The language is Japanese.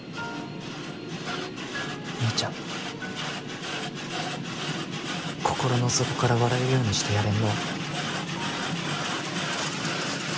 みーちゃん心の底から笑えるようにしてやれんの。